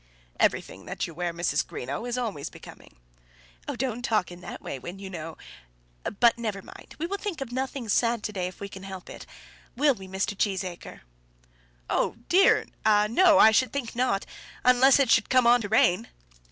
"Everything that you wear, Mrs. Greenow, is always becoming." "Don't talk in that way when you know ; but never mind we will think of nothing sad to day if we can help it. Will we, Mr. Cheesacre?" "Oh dear no; I should think not; unless it should come on to rain."